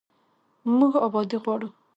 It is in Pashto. موږ ابادي غواړو